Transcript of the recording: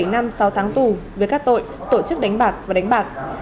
bảy năm sáu tháng tù về các tội tổ chức đánh bạc và đánh bạc